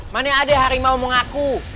mana ada harimau mau ngaku